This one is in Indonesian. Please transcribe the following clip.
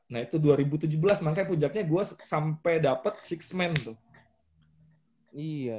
nah itu dua ribu tujuh belas makanya punjaknya gue sampai dapet six man tuh